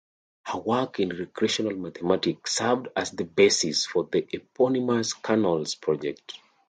Her work in recreational mathematics served as the basis for the eponymous Canals Project.